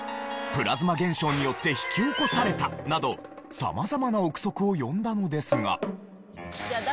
「プラズマ現象によって引き起こされた！」など様々な憶測を呼んだのですが。